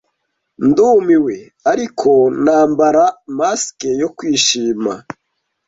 Ndumiwe, ariko nambara mask yo kwishima